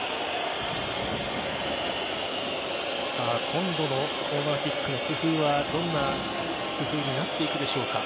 今度のコーナーキックの工夫はどんな工夫になっていくでしょうか。